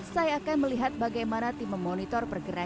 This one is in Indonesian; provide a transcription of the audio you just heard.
saya akan melihat bagaimana tim memonitor pergerakan